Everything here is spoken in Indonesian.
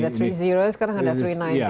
ada tiga sekarang ada tiga sembilan puluh